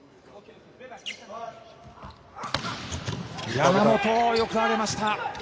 山本、よく上げました。